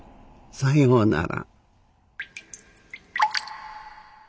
さようなら。